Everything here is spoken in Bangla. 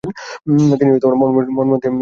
তিনি মনোমোহন থিয়েটারে আসেন।